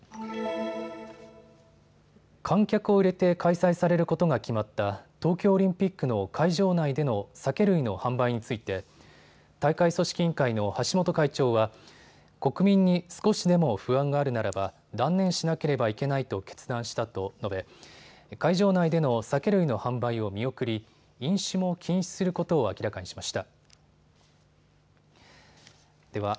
観客を入れて開催されることが決まった東京オリンピックの会場内での酒類の販売について大会組織委員会の橋本会長は国民に少しでも不安があるならば断念しなければいけないと決断したと述べ会場内での酒類の販売を見送り飲酒も禁止することを明らかにしました。